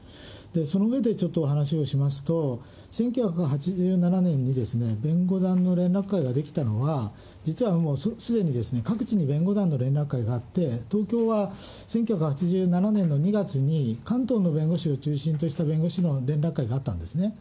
その上でちょっとお話をしますと、１９８７年に弁護団の連絡会が出来たのは、実はもうすでに、各地に弁護団の連絡会があって、東京は１９８７年の２月に関東の弁護士を中心とした弁護士の連絡会があったんですね。